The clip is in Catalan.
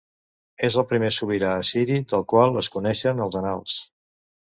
És el primer sobirà assiri del qual es coneixen els annals.